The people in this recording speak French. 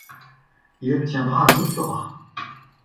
Il obtiendra un doctorat.